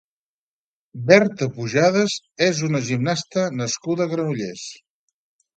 Berta Pujadas és una gimnasta nascuda a Granollers.